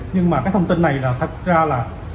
nhưng mà cái thông tin này thật ra là